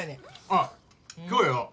あっ今日よ